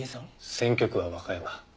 選挙区は和歌山。